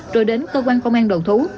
rồi đến cơ quan công an đầu thú